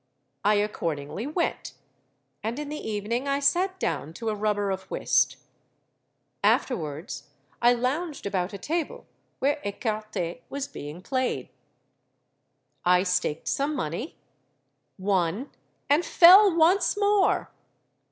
I accordingly went; and in the evening I sate down to a rubber of whist. Afterwards I lounged about a table where écarté was being played:—I staked some money—won—and fell once more!